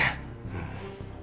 うん。